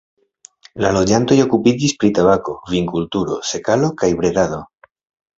La loĝantoj okupiĝis pri tabako, vinkulturo, sekalo kaj bredado.